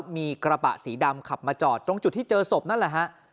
มีกระบะสีดำขับมาจอดตรงจุดที่เจอศพนั่นแหละฮะ